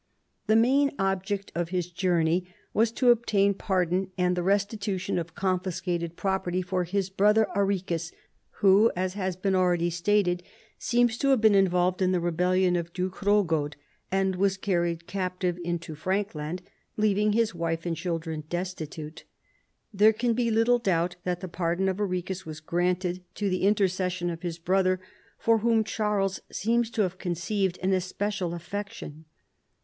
The main object of his journey was to obtain pardon and the restitution of confiscated property for his brother Arichis who, as has been already stated, seems to have been involved in the rebellion of Duke Ilrodgaud, and was carried captive into Frankland, leaving his wife and children destitute. There can be little doubt that the pardon of Arichis was granted to the intercession of his brother, for whom Charles seems to have conceived an especial affection.